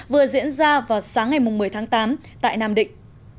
vừa diễn ra vào sáng ngày một mươi tháng tám tại nam định